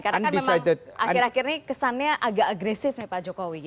karena kan memang akhir akhir ini kesannya agak agresif pak jokowi